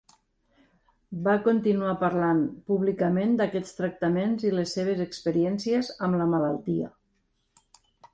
Va continuar parlant públicament d'aquests tractaments i les seves experiències amb la malaltia.